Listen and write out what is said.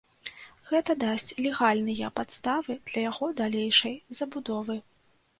Гэта дасць легальныя падставы для яго далейшай забудовы.